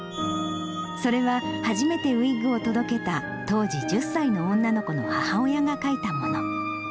それは初めてウイッグを届けた当時１０歳の女の子の母親が書いたもの。